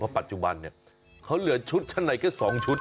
เพราะปัจจุบันเขาเหลือชุดข้างในแค่๒ชุด